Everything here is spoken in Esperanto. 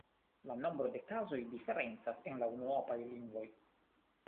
La nombro de kazoj diferencas en la unuopaj lingvoj.